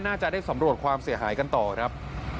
น่าจะได้สำรวจความเสียหายกันต่อครับ